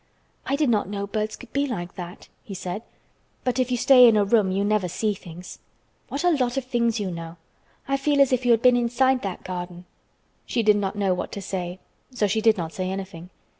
"I did not know birds could be like that," he said. "But if you stay in a room you never see things. What a lot of things you know. I feel as if you had been inside that garden." She did not know what to say, so she did not say anything.